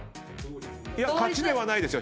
いや勝ちではないですよ。